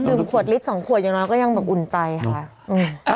ดื่มขวดลิตร๒ขวดอย่างน้อยก็ยังอุ่นใจค่ะ